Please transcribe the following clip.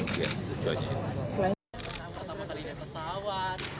pertama kali di pesawat